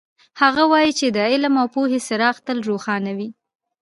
هغه وایي چې د علم او پوهې څراغ تل روښانه وي